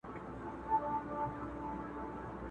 چغال وکتله ځانته په خندا سو!!